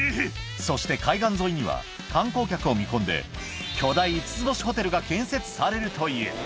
そして海岸沿いには、観光客を見込んで、巨大５つ星ホテルが建設されるという。